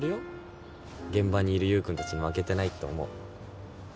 現場にいる優君たちに負けてないって思う。